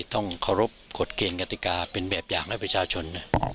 ต้องเคารพกฎเกณฑ์กติกาเป็นแบบอย่างให้ประชาชน